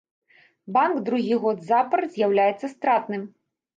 Банк другі год запар з'яўляецца стратным.